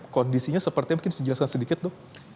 kondisinya sepertinya mungkin bisa dijelaskan sedikit dok